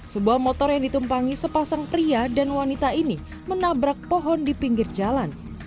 sebuah motor yang ditumpangi sepasang pria dan wanita ini menabrak pohon di pinggir jalan